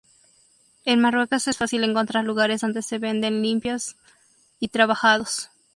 En Marruecos es fácil encontrar lugares donde se venden limpios y trabajados.